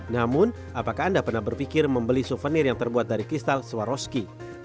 namun apakah anda pernah berpikir membeli souvenir yang terbuat dari kristal swaroski